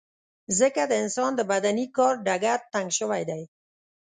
ځکه د انسان د بدني کار ډګر تنګ شوی دی.